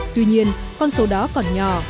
tuy nhiên con số đó còn nhỏ